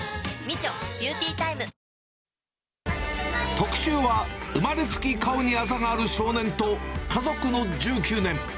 特集は、生まれつき顔にあざがある少年と、家族の１９年。